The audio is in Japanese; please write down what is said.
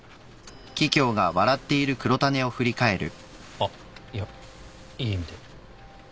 あっいやいい意味で。